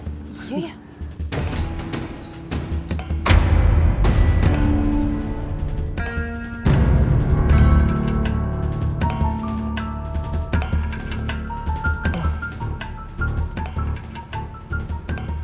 gak tahu bang